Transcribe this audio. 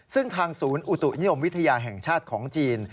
ซึ่งทางศูนย์อุตุนิยมวิทยาแห่งชาติของจีน